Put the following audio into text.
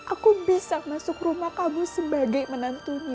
aku bisa masuk rumah kamu sebagai menantunya